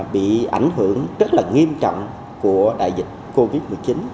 bị ảnh hưởng rất là nghiêm trọng của đại dịch covid một mươi chín